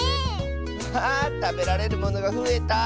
ハハーたべられるものがふえた。